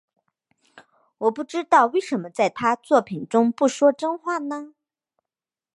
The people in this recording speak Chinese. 我不知道为什么在他作品中不说真话呢？